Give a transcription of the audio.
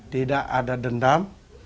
tidak ada dendam